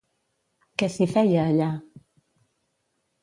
Què s'hi feia allà?